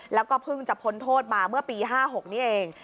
แล้วก็เพิ่งจะพ้นโทษมาเมื่อปี๕๖นี้เอง